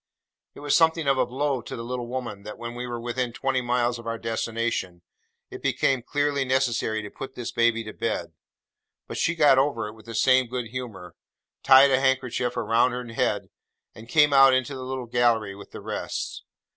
It was something of a blow to the little woman, that when we were within twenty miles of our destination, it became clearly necessary to put this baby to bed. But she got over it with the same good humour; tied a handkerchief round her head; and came out into the little gallery with the rest.